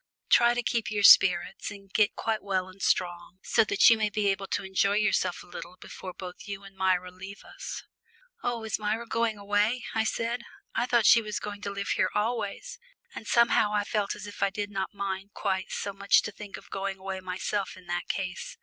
Try to keep up your spirits and get quite well and strong, so that you may be able to enjoy yourself a little before both you and Myra leave us." "Oh, is Myra going away?" I said. "I thought she was going to live here always," and somehow I felt as if I did not mind quite so much to think of going away myself in that case.